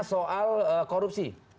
soalnya soal korupsi